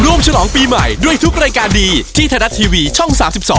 ฉลองปีใหม่ด้วยทุกรายการดีที่ไทยรัฐทีวีช่อง๓๒